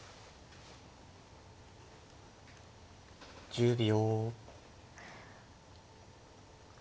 １０秒。